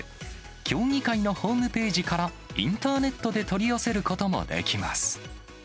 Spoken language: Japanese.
協議会のホームページから、インターネットで取り寄せることもできます。